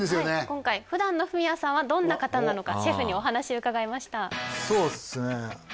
今回普段のフミヤさんはどんな方なのかシェフにお話伺いましたそうっすね